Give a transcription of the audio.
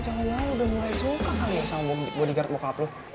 jangan jangan udah mulai suka kali ya sama bodyguard bokap lo